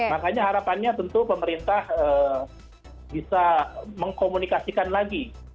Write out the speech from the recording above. makanya harapannya tentu pemerintah bisa mengkomunikasikan lagi